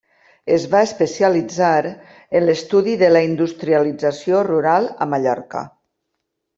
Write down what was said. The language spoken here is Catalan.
Es va especialitzar en l'estudi de la industrialització rural a Mallorca.